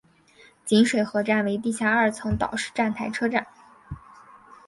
锦水河站为地下二层岛式站台车站。